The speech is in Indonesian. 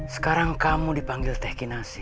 sekarang kamu dipanggil teh kinasi